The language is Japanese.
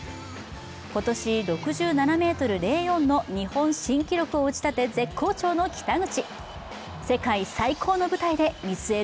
今年、６７ｍ０４の日本新記録を打ち立て、絶好調の北口。